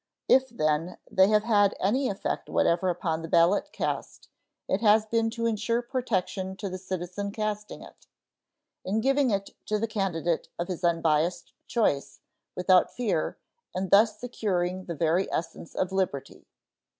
If, then, they have had any effect whatever upon the ballot cast, it has been to insure protection to the citizen casting it, in giving it to the candidate of his unbiased choice, without fear, and thus securing the very essence of liberty.